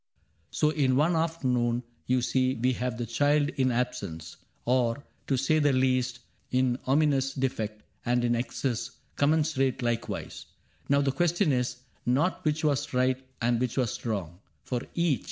" So in one afternoon you see we have The child in absence — or, to say the least. In ominous defect, — and in excess Commensurate, likewise. Now the question is. Not which was right and which was wrong, for each.